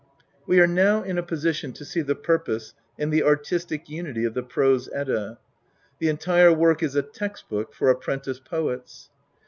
We are now in a position to see the purpose and the artistic unity of the Prose Edda: the entire work is a text book for apprentice poets.